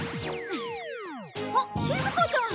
あっしずかちゃん！